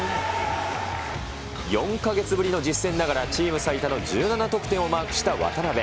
４か月ぶりの実戦ながら、チーム最多の１７得点をマークした渡邊。